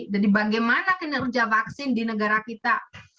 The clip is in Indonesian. bagaimana kinerja vaksin di negara kita